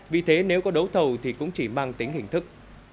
vì thế nếu có đấu thầu thì cũng chỉ mang tính hình thức